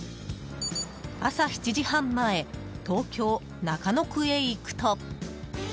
朝７時半前東京・中野区へ行くと。